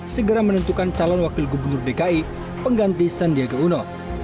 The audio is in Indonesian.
segera menentukan calon wakil gubernur dki pengganti sandiaga uno